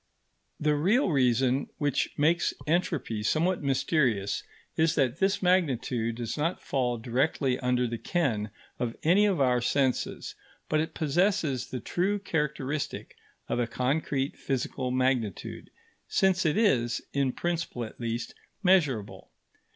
The real reason which makes entropy somewhat mysterious is that this magnitude does not fall directly under the ken of any of our senses; but it possesses the true characteristic of a concrete physical magnitude, since it is, in principle at least, measurable.